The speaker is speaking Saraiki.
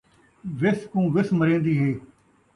وِس کوں وِس مرین٘دی ہے